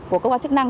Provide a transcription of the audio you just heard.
của cơ quan chức năng